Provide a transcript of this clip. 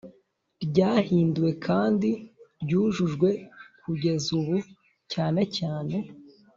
Ryahinduwe kandi ryujujwe kugeza ubu cyane cyane